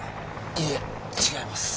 いいえ違います。